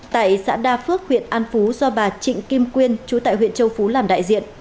tại xã đa phước huyện an phú do bà trịnh kim quyên chú tại huyện châu phú làm đại diện